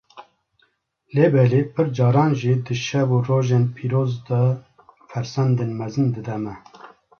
lêbelê pir caran jî di şev û rojên pîroz de fersendên mezin dide me.